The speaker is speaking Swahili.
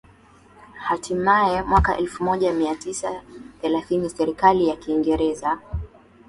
Hatimaye mwaka elfumoja miatisa thelathini serikali ya Kiingereza